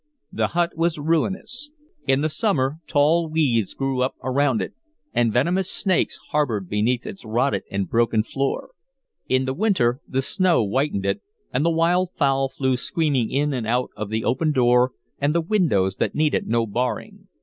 The hut was ruinous: in the summer tall weeds grew up around it, and venomous snakes harbored beneath its rotted and broken floor; in the winter the snow whitened it, and the wild fowl flew screaming in and out of the open door and the windows that needed no barring.